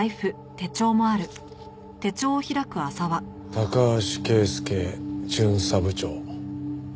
「高橋啓介巡査部長」。